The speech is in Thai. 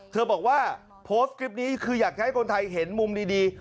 บอกว่าโพสต์คลิปนี้คืออยากจะให้คนไทยเห็นมุมดี